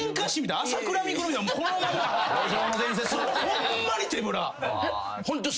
ホンマに手ぶら。